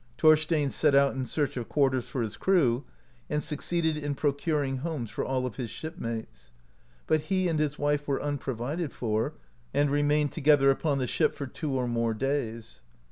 Thorstein set out in search of quarters for his crew, and succeeded in procuring homes for all of his shipmates ; but he and his wife w^ere unprovided for, and remained together upon the ship for two or more days.